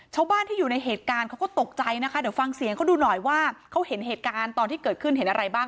ชาวบ้านที่อยู่ในเหตุการณ์เขาก็ตกใจนะคะเดี๋ยวฟังเสียงเขาดูหน่อยว่าเขาเห็นเหตุการณ์ตอนที่เกิดขึ้นเห็นอะไรบ้าง